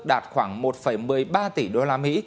đạt khoảng một một mươi ba tỷ đồng